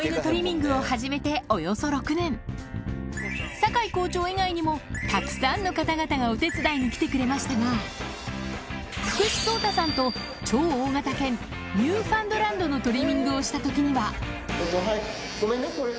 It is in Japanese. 堺校長以外にもたくさんの方々がお手伝いに来てくれましたが福士蒼汰さんと超大型犬ニューファンドランドのトリミングをした時にははい。